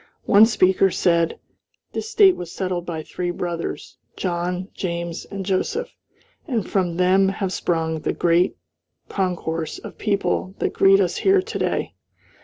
One speaker said: "This State was settled by three brothers, John, James, and Joseph, and from them have sprung the great concourse of people that greet us here to day."